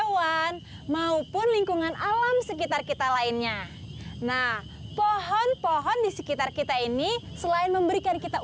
sampai jumpa di video selanjutnya